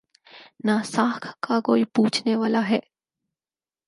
نہ ساکھ کا کوئی پوچھنے والا ہے۔